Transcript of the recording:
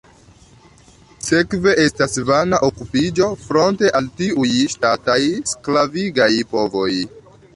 Sekve estas vana okupiĝo, fronte al tiuj ŝtataj, sklavigaj povoj.